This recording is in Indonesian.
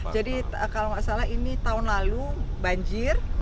jadi kalau gak salah ini tahun lalu banjir